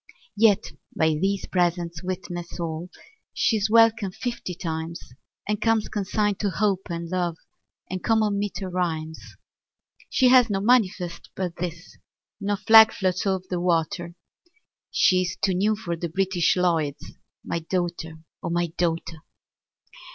Yet by these presents witness all She's welcome fifty times, And comes consigned to Hope and Love And common meter rhymes. She has no manifest but this, No flag floats o'er the water, She's too new for the British Lloyds My daughter, O my daughter!